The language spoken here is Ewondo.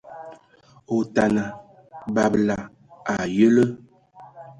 Otana, babǝla a ayǝlə.